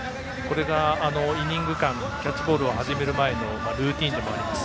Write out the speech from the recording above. イニング間キャッチボールを始める前のルーティンでもあります。